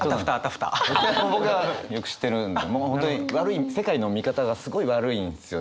僕はよく知ってるんでもう本当に悪い世界の見方がすごい悪いんですよね。